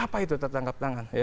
apa itu tertangkap tangan